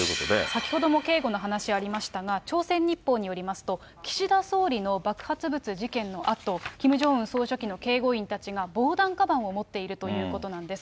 先ほども警護の話、ありましたが、朝鮮日報によりますと、岸田総理の爆発物事件のあと、キム・ジョンウン総書記の警護員たちが防弾カバンを持っているということなんです。